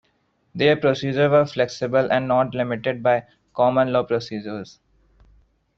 Their procedures were flexible and not limited by common law procedures.